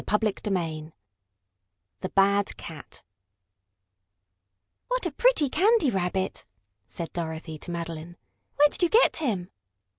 CHAPTER III THE BAD CAT "What a pretty Candy Rabbit!" said Dorothy to Madeline. "Where did you get him?"